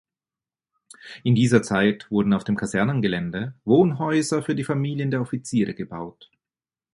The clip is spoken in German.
In dieser Zeit wurden auf dem Kasernengelände Wohnhäuser für die Familien der Offiziere gebaut.